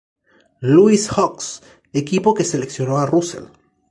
Louis Hawks, equipo que seleccionó a Russell.